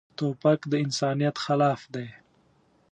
توپک د انسانیت خلاف دی.